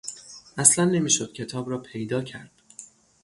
اصلا نمیشد کتاب را پیدا کرد.